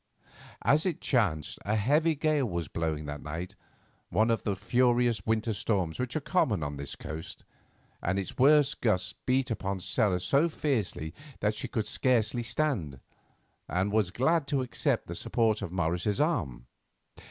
As it chanced, a heavy gale was blowing that night, one of the furious winter storms which are common on this coast, and its worst gusts beat upon Stella so fiercely that she could scarcely stand, and was glad to accept the support of Morris's arm.